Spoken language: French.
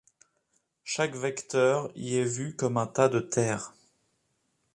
Chaque vecteur y est vu comme un tas de terre.